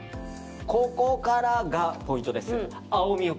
ここからポイントですよ。